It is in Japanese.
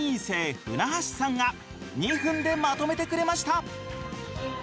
生ふなはしさんが２分でまとめてくれました！